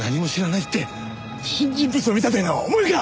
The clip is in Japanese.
不審人物を見たというのはお前か！